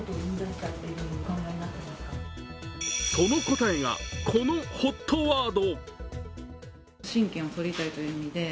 その答えがこのＨＯＴワード。